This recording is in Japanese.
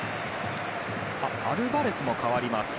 アルバレスも代わりますね。